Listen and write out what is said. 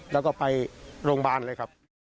แล้วก็ไปโรงพยาบาลเลยครับ